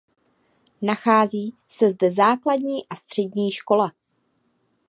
Nachází se zde základní a střední škola.